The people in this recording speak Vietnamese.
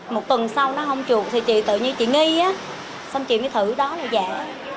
một tuần sau nó không chuột thì chị tự nhiên chị nghi xong chị mới thử đó là dạy